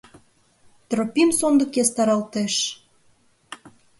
Тропим сондык ястаралтеш.